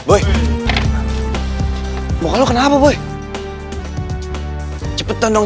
hai enggak enak juga orang orang